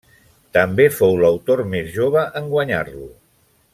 També fou l'autor més jove en guanyar-lo.